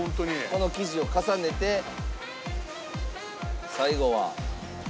この生地を重ねて最後は上からまた。